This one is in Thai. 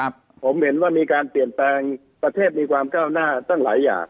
ผมเห็นว่ามีการเปลี่ยนแปลงประเทศมีความก้าวหน้าตั้งหลายอย่าง